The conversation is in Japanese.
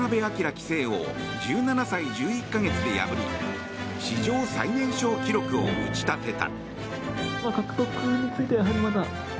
棋聖を１７歳１１か月で破り史上最年少記録を打ち立てた。